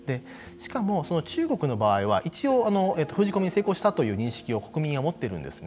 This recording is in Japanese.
しかも中国の場合は一応封じ込めに成功したという認識を国民は持っているんですね。